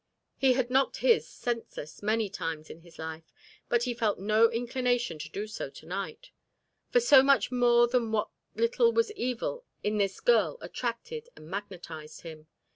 He had knocked his senseless many times in his life, but he felt no inclination to do so to night; for so much more than what little was evil in this girl attracted and magnetised him.